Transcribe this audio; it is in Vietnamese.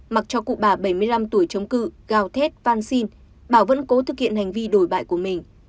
mặc cho cụ bà bảy mươi năm tuổi chống cự gà thét van xin bảo vẫn cố thực hiện hành vi đổi bại của mình